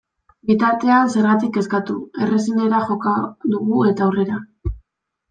Bitartean, zergatik kezkatu, errazenera joko dugu eta aurrera!